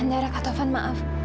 andara kak taufan maaf